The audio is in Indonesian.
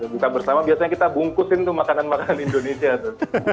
buka bersama biasanya kita bungkusin tuh makanan makanan indonesia tuh